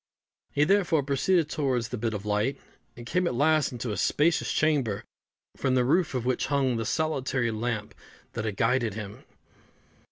He, therefore, proceeded towards the bit of light, and came at last into a spacious chamber, from the roof of which hung the solitary lamp that had guided him.